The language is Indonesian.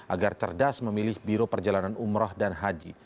agar cerdas memilih biro perjalanan umroh dan haji